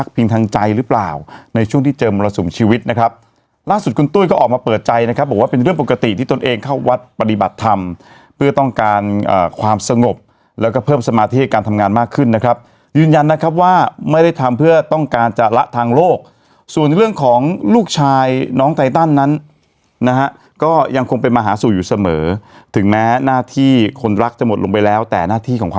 ทางใจหรือเปล่าในช่วงที่เจอมรสุมชีวิตนะครับล่าสุดคุณตุ้ยก็ออกมาเปิดใจนะครับบอกว่าเป็นเรื่องปกติที่ตนเองเข้าวัดปฏิบัติธรรมเพื่อต้องการความสงบแล้วก็เพิ่มสมาธิการทำงานมากขึ้นนะครับยืนยันนะครับว่าไม่ได้ทำเพื่อต้องการจะละทางโลกส่วนเรื่องของลูกชายน้องไตตันนั้นนะฮะก็ยังคงเป็นมาหาสู่อยู่เสมอถึงแม้หน้าที่คนรักจะหมดลงไปแล้วแต่หน้าที่ของความ